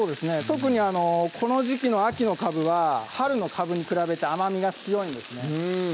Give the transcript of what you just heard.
特にこの時季の秋のかぶは春のかぶに比べて甘みが強いんですね